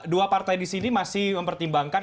dua partai di sini masih mempertimbangkan